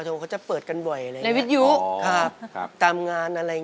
ร้องไปกับสายน้ำง